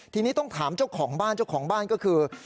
ทีนี้ต้องถามเจ้าของบ้านเจ้าของบ้านก็คือ